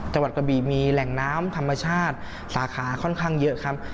กะบี่มีแหล่งน้ำธรรมชาติสาขาค่อนข้างเยอะครับ